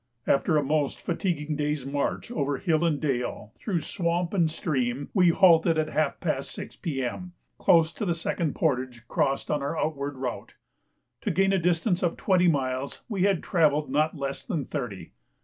After a most fatiguing day's march over hill and dale, through swamp and stream, we halted at half past 6 P.M. close to the second portage crossed on our outward route. To gain a distance of twenty miles we had travelled not less than thirty.